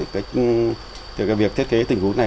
cái việc thiết kế tình huống này